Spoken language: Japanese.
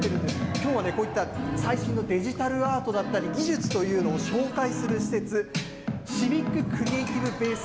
きょうはこういった最新のデジタルアートだったり、技術というのを紹介する施設、シビック・クリエイティブ・ベース